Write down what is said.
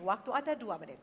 waktu ada dua menit